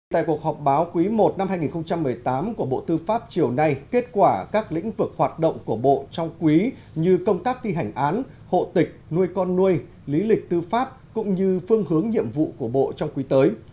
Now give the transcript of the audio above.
tại cuộc họp báo quý i năm hai nghìn một mươi tám của bộ tư pháp chiều nay kết quả các lĩnh vực hoạt động của bộ trong quý như công tác thi hành án hộ tịch nuôi con nuôi lý lịch tư pháp cũng như phương hướng nhiệm vụ của bộ trong quý tới